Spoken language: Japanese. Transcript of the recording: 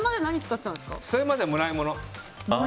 それまではもらいもの。